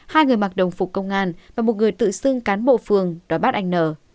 hai người mặc đồng phục công an và một người tự xưng cán bộ phường đòi bắt anh nờ